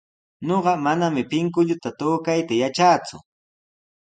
Ñuqa manami pinkulluta tukayta yatraaku.